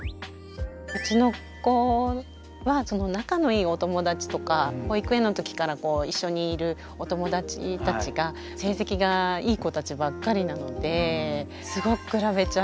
うちの子は仲のいいお友達とか保育園の時から一緒にいるお友達たちが成績がいい子たちばっかりなのですごく比べちゃいます。